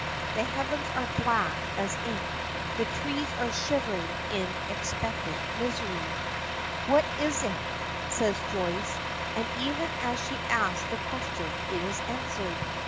The heavens are black as ink, the trees are shivering in expectant misery. "What is it?" says Joyce, and even as she asks the question it is answered.